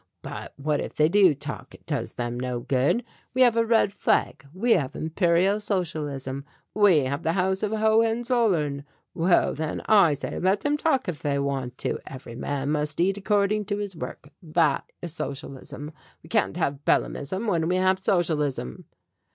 But what if they do talk, it does them no good. We have a red flag, we have Imperial Socialism; we have the House of Hohenzollern. Well, then, I say, let them talk if they want to, every man must eat according to his work; that is socialism. We can't have Bellamism when we have socialism."